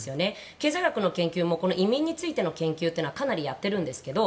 経済学の研究も移民についての研究はかなりやってるんですけど